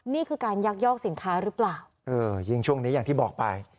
นี่คือการยักยอกสินค้าหรือเปล่าเออยิ่งช่วงนี้อย่างที่บอกไป